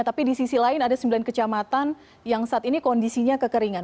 tapi di sisi lain ada sembilan kecamatan yang saat ini kondisinya kekeringan